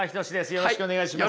よろしくお願いします。